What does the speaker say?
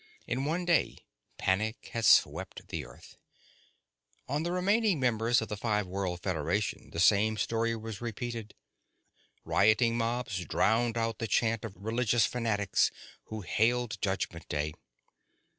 In one day panic had swept the Earth; on the remaining members of the Five World Federation the same story was repeated. Rioting mobs drowned out the chant of religious fanatics who hailed Judgment Day.